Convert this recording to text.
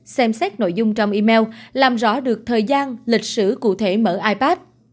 xem xét nội dung trong email làm rõ được thời gian lịch sử cụ thể mở ipad